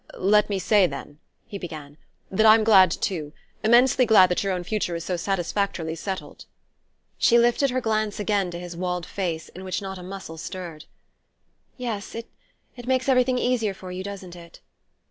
"Let me say, then," he began, "that I'm glad too immensely glad that your own future is so satisfactorily settled." She lifted her glance again to his walled face, in which not a muscle stirred. "Yes: it it makes everything easier for you, doesn't it?"